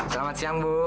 selamat siang bu